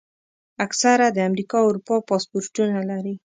اکثره د امریکا او اروپا پاسپورټونه لري.